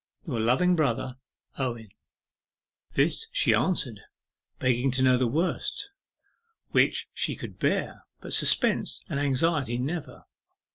Your loving brother, OWEN.' This she answered, begging to know the worst, which she could bear, but suspense and anxiety never.